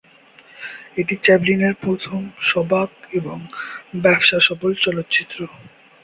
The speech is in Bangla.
এটি চ্যাপলিনের প্রথম সবাক এবং ব্যবসাসফল চলচ্চিত্র।